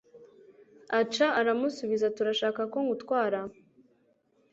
Aca aramusubiza ati Urashaka ko ngutwara